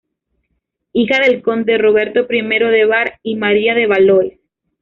Hija del conde Roberto I de Bar y María de Valois.